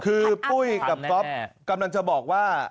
คือปุ้ยกับก๊อฟกำลังจะบอกว่า